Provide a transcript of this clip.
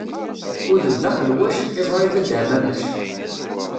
Udem d aqelwac, iẓṛi d adaɛmamac.